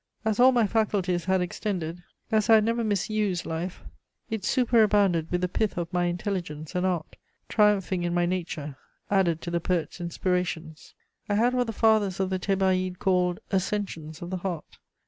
As all my faculties had extended, as I had never misused life, it superabounded with the pith of my intelligence, and art, triumphing in my nature, added to the poet's inspirations. I had what the Fathers of the Thebaïde called "ascensions" of the heart.